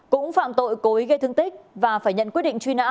cũng phạm tội cố ý gây thương tích và phải nhận quyết định truy nã